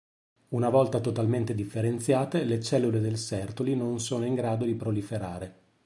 Una volta totalmente differenziate, le cellule del Sertoli non sono in grado di proliferare.